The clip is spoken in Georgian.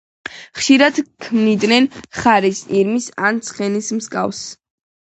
ხშირად ქმნიდნენ ხარის, ირმის ან ცხენის მსგავს.